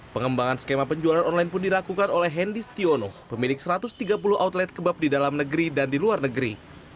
pengembangan skema penjualan online pun dilakukan oleh hendy stiono pemilik satu ratus tiga puluh outlet kebab di dalam negeri dan di luar negeri